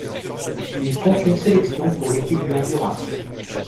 Il compte une sélection pour l'équipe du Honduras.